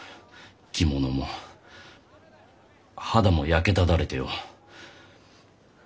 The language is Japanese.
着物も肌も焼けただれてよ。